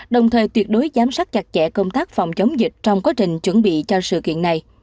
đồng thời tuyệt đối giám sát chặt chẽ công tác phòng chống dịch trong quá trình chuẩn bị cho sự kiện này